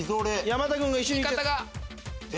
山田君が一緒に言った。